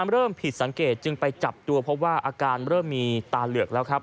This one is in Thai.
เริ่มผิดสังเกตจึงไปจับตัวเพราะว่าอาการเริ่มมีตาเหลือกแล้วครับ